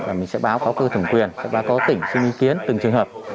và mình sẽ báo khóa cơ thường quyền sẽ báo có tỉnh xin ý kiến từng trường hợp